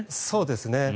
そうですね。